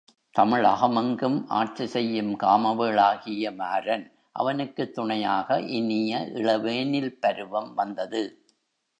தமிழகம் எங்கும் ஆட்சி செய்யும் காமவேள் ஆகிய மாரன் அவனுக்குத் துணையாக இனிய இளவேனில் பருவம் வந்தது.